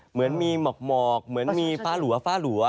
เหมือนมีหมอกเหมือนมีฝ้าหลัว